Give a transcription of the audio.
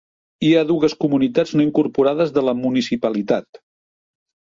Hi ha dues comunitats no incorporades de la municipalitat.